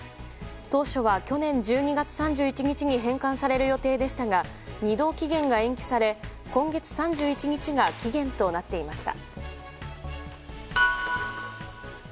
当初は去年１２月３１日に返還される予定でしたが２度、期限が延期され今月３１日が期限となっていました。